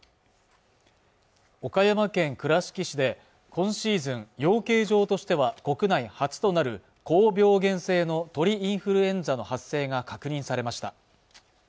岡山県倉敷市で今シーズン養鶏場としては国内初となる高病原性の鳥インフルエンザの発生が確認されました